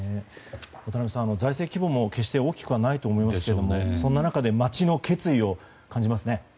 渡辺さん、財政規模も決して大きくないと思いますがそんな中で町の決意を感じますね。